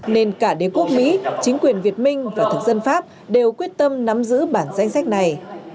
nên cả đế quốc mỹ chính quyền việt minh và thực dân pháp đều quyết tâm nắm giữ bản danh sách này